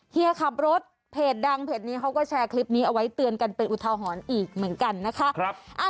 เฮียขับรถเพจดังเพจนี้เขาก็แชร์คลิปนี้เอาไว้เตือนกันเป็นอุทาหรณ์อีกเหมือนกันนะคะ